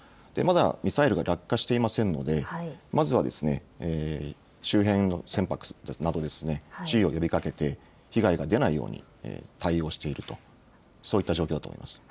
またミサイルが落下していませんのでまずは周辺の船舶など注意を呼びかけて被害が出ないように対応していると、そういった状況だと思います。